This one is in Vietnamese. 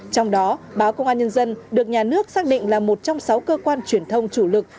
trong đó báo công an nhân dân được nhà nước xác định là một trong sáu cơ quan truyền thông chủ lực